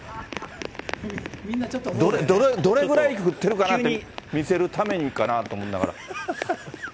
どれぐらい降ってるかなって見せるためにかなと思いながら。